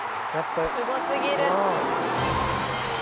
「すごすぎる！」